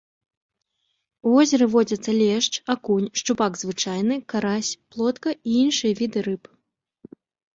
У возеры водзяцца лешч, акунь, шчупак звычайны, карась, плотка і іншыя віды рыб.